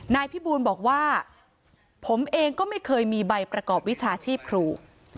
นายพิบูลบอกว่าผมเองก็ไม่เคยมีใบประกอบวิชาชีพครู